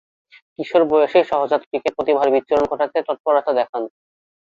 কিশোর বয়সেই সহজাত ক্রিকেট প্রতিভার বিচ্ছুরণ ঘটাতে তৎপরতা দেখান।